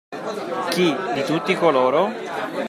Chi, di tutti coloro?